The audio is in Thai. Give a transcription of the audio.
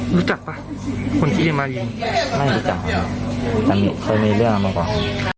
รู้จักป่ะคนที่เลี่ยงมายิงไม่รู้จักแต่มีเคยมีเรื่องมาก่อน